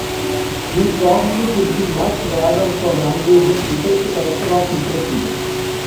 These processes would be much rarer for languages without a culture of literacy.